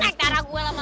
naik darah gue lama lama